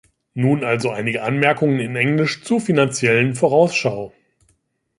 Nun also einige Anmerkungen in Englisch zur Finanziellen Vorausschau.